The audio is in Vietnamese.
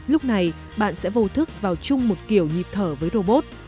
lúc này bạn sẽ vô thức vào chung một kiểu nhịp thở với robot